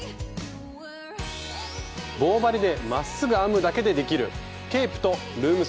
棒針でまっすぐ編むだけでできるケープとルームソックス。